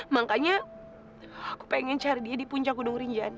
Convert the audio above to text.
makanya aku pengen cari dia di puncak gunung rinjan